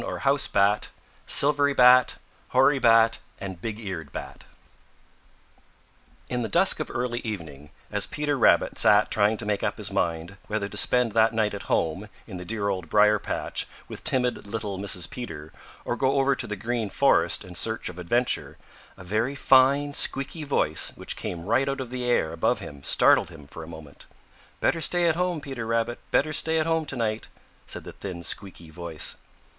CHAPTER XXI Flitter the Bat and His Family In the dusk of early evening, as Peter Rabbit sat trying to make up his mind whether to spend that night at home in the dear Old Briar patch with timid little Mrs. Peter or go over to the Green Forest in search of adventure, a very fine, squeaky voice which came right out of the air above him startled him for a moment. "Better stay at home, Peter Rabbit. Better stay at home to night," said the thin, squeaky voice.